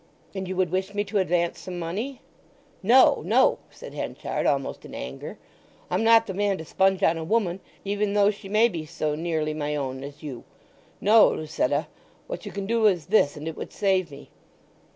"And you would wish me to advance some money?" "No, no!" said Henchard, almost in anger. "I'm not the man to sponge on a woman, even though she may be so nearly my own as you. No, Lucetta; what you can do is this and it would save me.